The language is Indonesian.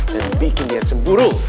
dan bikin dia cemburu